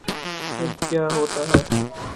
پھر کیا ہوتا ہے۔